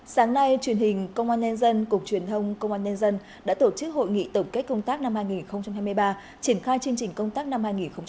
sáng nay truyền hình công an nhân dân cục truyền thông công an nhân dân đã tổ chức hội nghị tổng kết công tác năm hai nghìn hai mươi ba triển khai chương trình công tác năm hai nghìn hai mươi bốn